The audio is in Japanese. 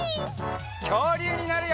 きょうりゅうになるよ！